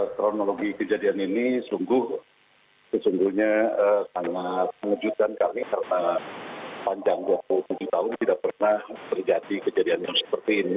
kronologi kejadian ini sesungguhnya sangat mengejutkan kami karena panjang dua puluh tujuh tahun tidak pernah terjadi kejadian yang seperti ini